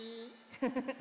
フフフフ。